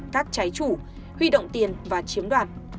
các trái chủ huy động tiền và chiếm đoạt